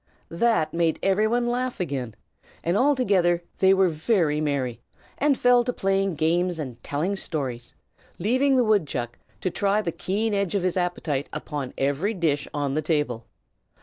That made every one laugh again, and altogether they were very merry, and fell to playing games and telling stories, leaving the woodchuck to try the keen edge of his appetite upon every dish on the table.